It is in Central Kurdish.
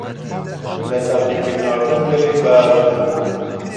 لە تاقیکردنەوەکەم گەلێک باش نەبووم.